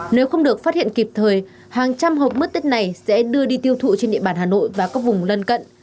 nếu không được phát hiện kịp thời hàng trăm hộp mất tích này sẽ đưa đi tiêu thụ trên địa bàn hà nội và các vùng lân cận